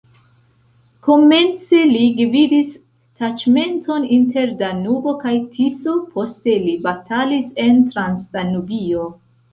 Komence li gvidis taĉmenton inter Danubo kaj Tiso, poste li batalis en Transdanubio.